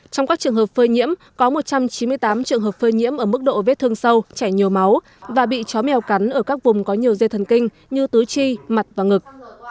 trong các trường hợp phơi nhiễm có một trăm chín mươi tám trường hợp phơi nhiễm ở mức độ vết thương sâu chảy nhiều máu và bị chó mèo cắn ở các vùng có nhiều dây thần kinh như tứ chi mặt và ngực